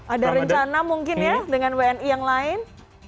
ada rencana mungkin ya dengan wni yang lain